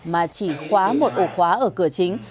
mà chỉ khóa một ổ khóa ở cửa chính